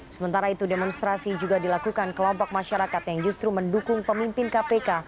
sementara itu demonstrasi juga dilakukan kelompok masyarakat yang justru mendukung pemimpin kpk